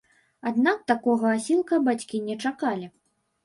Аднак такога асілка бацькі не чакалі.